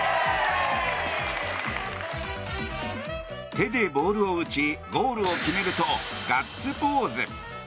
手でボールを打ちゴールを決めるとガッツポーズ。